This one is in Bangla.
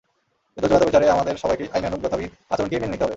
কিন্তু চূড়ান্ত বিচারে আমাদের সবাইকেই আইনানুগ যথাবিহিত আচরণকেই মেনে নিতে হবে।